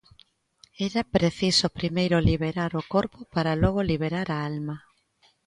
Era preciso primeiro liberar o corpo para logo liberar a alma.